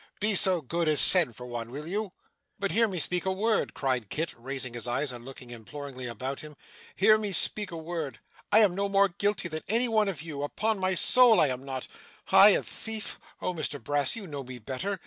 'Be so good as send for one, will you?' 'But, hear me speak a word,' cried Kit, raising his eyes and looking imploringly about him. 'Hear me speak a word. I am no more guilty than any one of you. Upon my soul I am not. I a thief! Oh, Mr Brass, you know me better.